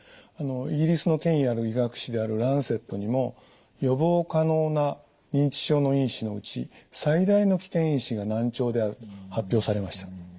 イギリスの権威ある医学誌である「ランセット」にも「予防可能な認知症の因子のうち最大の危険因子が難聴である」と発表されました。